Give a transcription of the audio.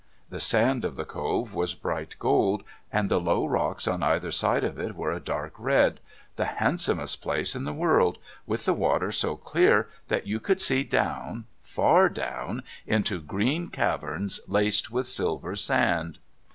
The sand of the Cove was bright gold, and the low rocks to either side of it were a dark red the handsomest place in the world, with the water so clear that you could see down, far down, into green caverns laced with silver sand.